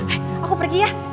eh aku pergi ya